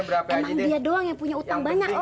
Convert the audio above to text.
biarin biarin emang dia doang yang punya utang banyak